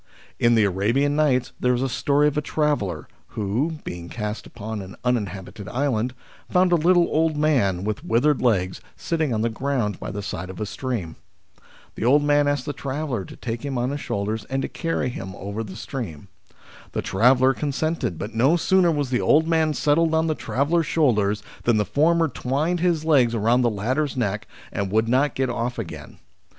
In the Arabian Nights there is a story of a traveller who, being cast upon an uninhabited island, found a little old man with withered legs sitting on the ground by the side of a stream. The old man asked the traveller to take him on io8 THE SLAVERY OF OUR TIMES his shoulders and to carry him over the stream. The traveller consented, but no sooner was the old man settled on the traveller's shoulders than the former twined his legs round the latter's neck, and would not get off again.